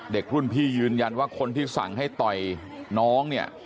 เด็กรุ่นพี่ยืนยันว่าคนที่สั่งให้ต่อยน้องเนี่ย